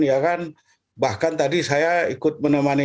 ya kan bahkan tadi saya ikut menemani